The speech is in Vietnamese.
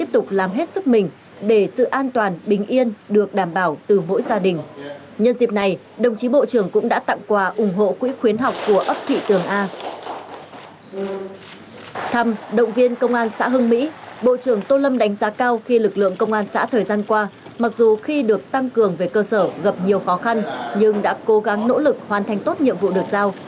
thăm động viên công an xã hưng mỹ bộ trưởng tô lâm đánh giá cao khi lực lượng công an xã thời gian qua mặc dù khi được tăng cường về cơ sở gặp nhiều khó khăn nhưng đã cố gắng nỗ lực hoàn thành tốt nhiệm vụ được giao